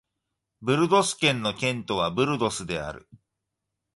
ブルゴス県の県都はブルゴスである